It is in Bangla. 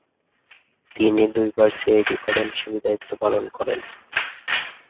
তিনি দুইবার সিআইডি প্রধান হিসেবে দায়িত্ব পালন করেন।